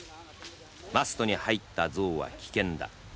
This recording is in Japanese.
マストに入った象は危険だ。